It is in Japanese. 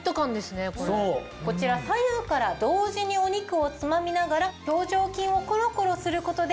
こちら左右から同時にお肉をつまみながら表情筋をコロコロすることで。